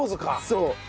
そう。